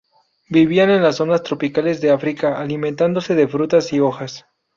Vivían en las zonas tropicales de África, alimentándose de frutas y hojas.